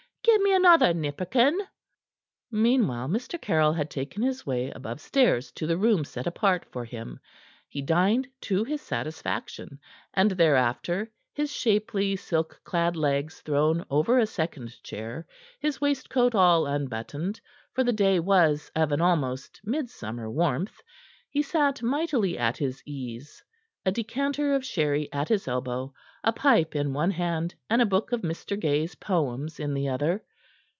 Get me another nipperkin." Meanwhile Mr. Caryll had taken his way above stairs to the room set apart for him. He dined to his satisfaction, and thereafter, his shapely, silk clad legs thrown over a second chair, his waistcoat all unbuttoned, for the day was of an almost midsummer warmth he sat mightily at his ease, a decanter of sherry at his elbow, a pipe in one hand and a book of Mr. Gay's poems in the other.